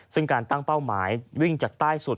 ซึ่งการตั้งเป้าหมายวิ่งจากใต้สุด